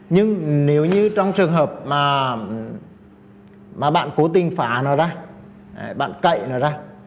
nhưng nếu như trong trường hợp mà bạn cố tình phá nó ra bạn cậy nó ra